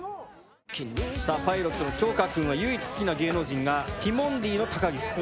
さあパイロットの長川くんは唯一好きな芸能人がティモンディの高岸さん。